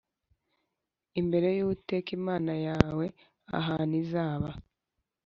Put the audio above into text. Imbere Y Uwiteka Imana Yawe Ahantu Izaba